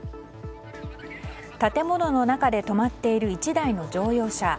建物の中で止まっている１台の乗用車。